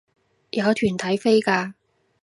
有團體飛價